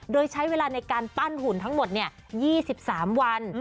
โดยใช้เวลาในการปั้นหุ่นทั้งหมด๒๓วัน